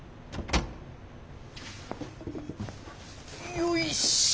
よいしょ。